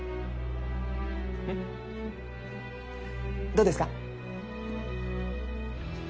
どうですか？